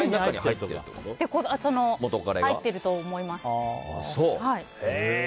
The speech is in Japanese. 入っていると思います。